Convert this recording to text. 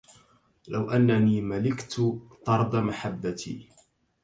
لو أنني ملكت طرد محبتي